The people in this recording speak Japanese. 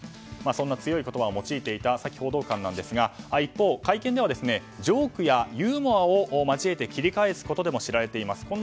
そんな強い言葉を用いていたサキ報道官ですが一方、会見ではジョークやユーモアを交えて切り返すことでも知られています。